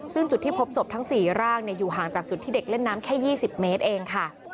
ซึ่งจุดที่พบศพทั้ง๔ร่างอยู่ห่างจากจุดที่เด็กเล่นน้ำแค่๒๐เมตรเองค่ะ